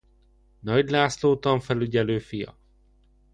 Nagy László tanfelügyelő fia.